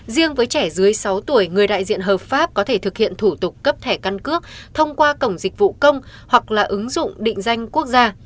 riêng với trẻ dưới sáu tuổi người đại diện hợp pháp có thể thực hiện thủ tục cấp thẻ căn cước thông qua cổng dịch vụ công hoặc là ứng dụng định danh quốc gia